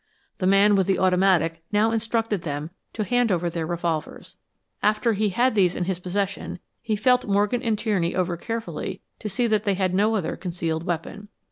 The man with the automatic now instructed them to hand over their revolvers. After he had these in his possession, he felt Morgan and Tierney over carefully to see that they had no other concealed weapon.